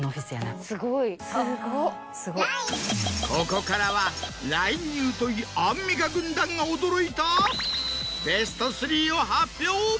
ここからはＬＩＮＥに疎いアンミカ軍団が驚いたベスト３を発表。